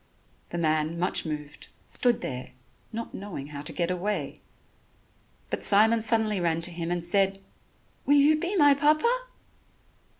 The man, much moved, stood there, not knowing how to get away. But Simon suddenly ran to him and said: "Will you be my Papa?"